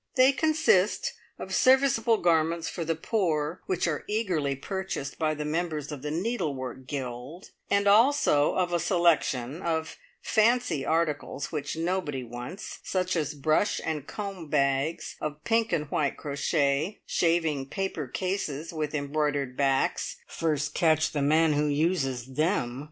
They consist of serviceable garments for the poor, which are eagerly purchased by the members of the Needlework Guild, and also of a selection of "fancy" articles which nobody wants, such as brush and comb bags of pink and white crochet, shaving paper cases with embroidered backs (first catch the man who uses them!)